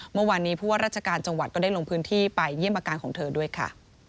เมื่อวานนี้ผู้ว่าราชการจังหวัดก็ได้ลงพื้นที่ไปเยี่ยมอาการของเธอด้วยค่ะ